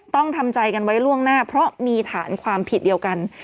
ต้องทำใจกันไว้ล่วงหน้าเพราะมีฐานความผิดเดียวกัน